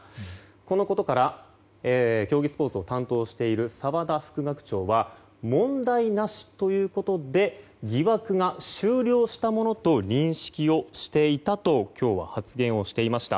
このことから競技スポーツを担当している澤田副学長は問題なしということで疑惑が終了したものと認識をしていたと今日、発言をしていました。